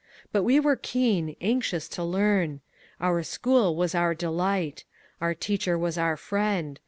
But we were keen, anxious to learn. Our school was our delight. Our teacher was our friend.